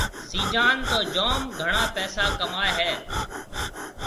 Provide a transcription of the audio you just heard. سِيجان تو جوم گھڻا پيسا ڪمائي هيَ۔